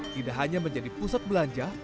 tidak hanya menjadi pusat belanja